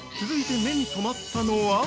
続いて、目に留まったのは？